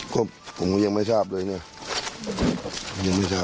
ครบผมก็ยังไม่ชอบเลยเนี่ยยังไม่ชอบ